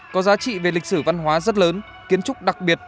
có giá trị về lịch sử văn hóa rất lớn kiến trúc đặc biệt